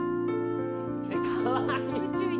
かわいい。